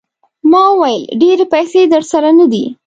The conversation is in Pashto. ما وویل ډېرې پیسې درسره نه دي.